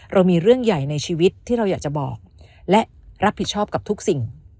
เรามีเรื่องใหญ่ในชีวิตที่เราอยากจะบอกและรับผิดชอบกับทุกสิ่ง